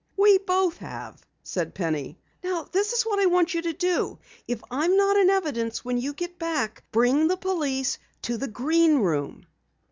"We both have," said Penny. "Now this is what I want you to do. If I'm not in evidence when you get back, bring the police to the Green Room."